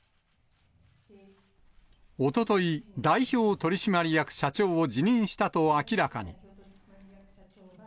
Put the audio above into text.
おととい、代表取締役社長を辞任したと明らかに。